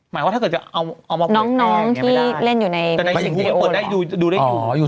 หมายถึงว่าจะเอามาเปิดแปลงไม่ได้แต่ในสิ่งที่เปิดได้ดูได้อยู่